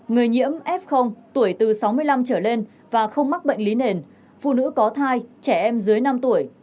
người nhiễm f tuổi từ sáu mươi năm trở lên và không mắc bệnh lý nền phụ nữ có thai trẻ em dưới năm tuổi